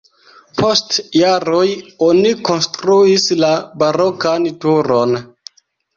Post jaroj oni konstruis la barokan turon.